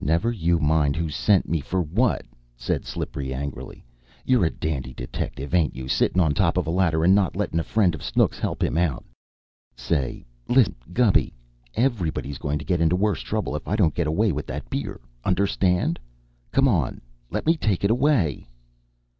"Never you mind who sent me for what!" said Slippery, angrily. "You're a dandy detective, ain't you? Sittin' on top of a ladder, and not lettin' a friend of Snooks help him out. Say, listen, Gubby! Everybody's goin' to get into worse trouble if I don't get away with that beer. Understand? Come on! Let me take it away!"